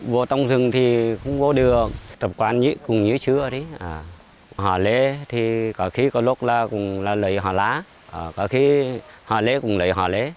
vô tông rừng thì cũng vô đường tập quán cũng như chưa hòa lê thì có khi có lúc cũng lấy hòa lá có khi hòa lê cũng lấy hòa lê